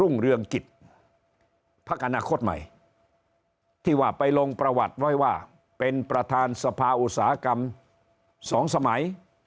เรืองกิจพักอนาคตใหม่ที่ว่าไปลงประวัติไว้ว่าเป็นประธานสภาอุตสาหกรรมสองสมัย